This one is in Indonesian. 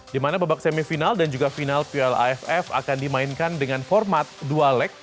di mana babak semifinal dan juga final plaff akan dimainkan dengan format dual leg